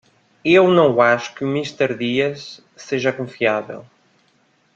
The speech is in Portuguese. Eu não acho que o Mister Diaz seja confiável.